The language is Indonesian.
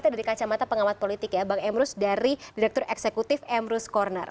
berarti dari kacamata pengawat politik ya bang emru dari direktur eksekutif emru skorner